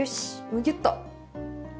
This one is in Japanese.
むぎゅっと。